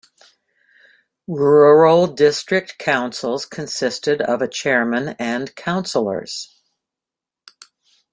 Rural district councils consisted of a chairman and councillors.